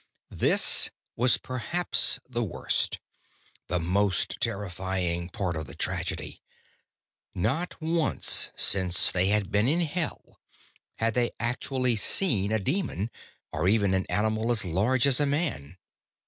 That was perhaps the worst, the most terrifying part of the tragedy: not once, since they had been in Hell, had they actually seen a demon or even any animal as large as a man.